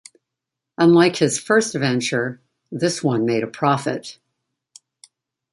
Unlike his first venture, this one made a profit.